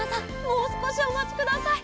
もうすこしおまちください。